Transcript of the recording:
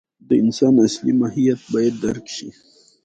د انسان اصلي ماهیت باید درک شي.